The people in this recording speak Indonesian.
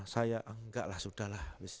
saya enggak lah sudah lah